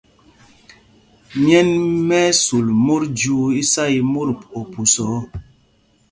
Myɛ̂n mɛ́ ɛ́ sul mot jyuu isá í mot ophusa ɔ.